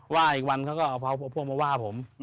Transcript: ว่าอีกวันเขาก็เอาพวกมาว่าผม